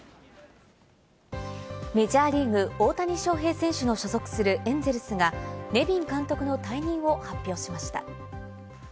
メジャーリーグ、大谷翔平選手の所属するエンゼルスがネビン監督の退任を発表しました。